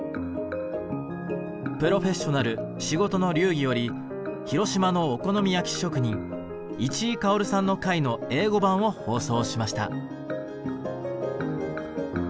「プロフェッショナル仕事の流儀」より広島のお好み焼き職人市居馨さんの回の英語版を放送しました。